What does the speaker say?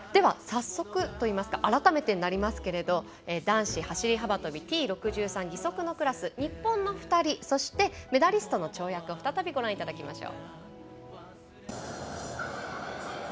では改めてになりますけど男子走り幅跳びＴ６３義足のクラス日本の２人そして、メダリストの跳躍を再びご覧いただきましょう。